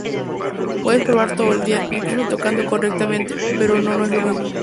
Puedes probar todo el día, incluso tocando correctamente, pero no es lo mismo.